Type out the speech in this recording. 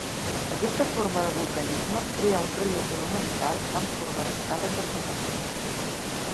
Aquesta forma de vulcanisme crea un relleu monumental en forma d'escales de piràmides.